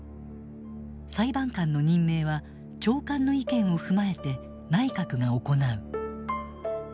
裁判官の任命は長官の意見を踏まえて内閣が行う。